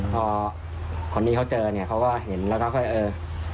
พอคนที่เขาเจอเนี่ยเขาก็เห็นแล้วก็ค่อยเออ